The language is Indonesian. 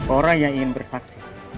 orang yang ingin bersaksi